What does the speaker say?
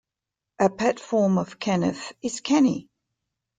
A pet form of Kenneth is "Kenny".